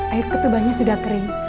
air ketubahnya sudah kering